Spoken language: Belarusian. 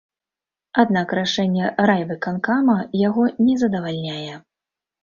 Аднак рашэнне райвыканкама яго не задавальняе.